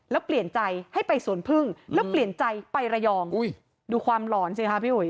แล้วเปลี่ยนใจให้ไปสวนพึ่งแล้วเปลี่ยนใจไประยองดูความหลอนสิคะพี่อุ๋ย